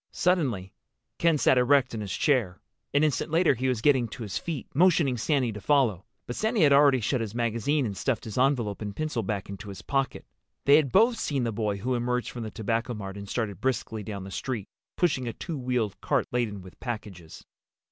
Suddenly Ken sat erect in his chair. An instant later he was getting to his feet, motioning Sandy to follow. But Sandy had already shut his magazine and stuffed his envelope and pencil back into his pocket. They had both seen the boy who emerged from the Tobacco Mart and started briskly down the street, pushing a two wheeled cart laden with packages.